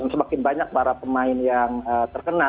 semakin banyak para pemain yang terkena